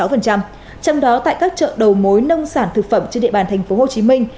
trong đó tại các chợ đầu mối nông sản thực phẩm trên địa bàn thành phố hồ chí minh